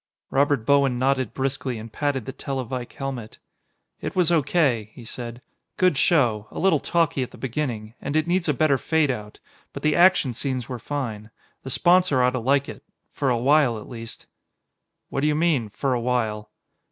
Robert Bowen nodded briskly and patted the televike helmet. "It was O.K.," he said. "Good show. A little talky at the beginning, and it needs a better fade out, but the action scenes were fine. The sponsor ought to like it for a while, at least." "What do you mean, 'for a while'?"